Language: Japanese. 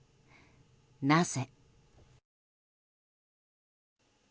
なぜ。